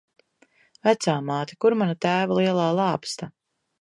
Vecāmāte, kur mana tēva lielā lāpsta?